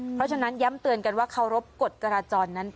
เพราะฉะนั้นย้ำเตือนกันว่าเคารพกฎจราจรนั้น